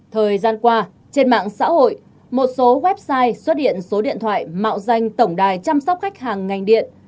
thời gian qua trên mạng xã hội một số website xuất hiện số điện thoại mạo danh tổng đài chăm sóc khách hàng ngành điện